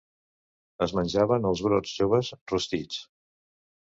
Es menjaven els brots joves rostits.